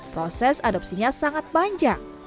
proses adopsinya sangat panjang